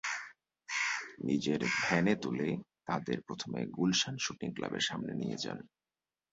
নিজের ভ্যানে তুলে তাদের প্রথমে গুলশান শুটিং ক্লাবের সামনে নিয়ে যান।